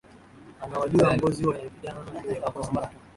ana wajua ngozi huwa inakujana juu ya kukosa mafuta